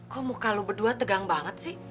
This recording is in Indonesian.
kok muka lu berdua tegang banget sih